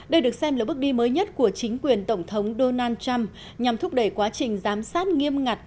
đây được xem là bước đi mới nhất của chính quyền tổng thống donald trump nhằm thúc đẩy quá trình giám sát nghiêm ngặt